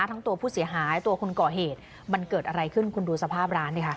ทั้งตัวผู้เสียหายตัวคนก่อเหตุมันเกิดอะไรขึ้นคุณดูสภาพร้านดิค่ะ